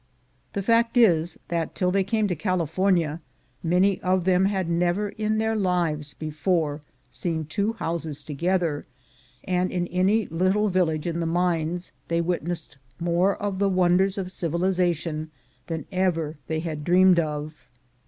The fact Is, that till they came to California many of them had never In their lives before seen two houses together, and In any little village In the mines they witnessed more of the wonders of civilization than ever they had dreamed of.